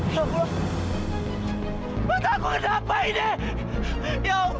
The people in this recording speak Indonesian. ya allah mata aku kenapa